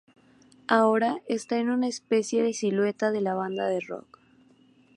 Ahora está en "una especie de silueta" de la banda de rock.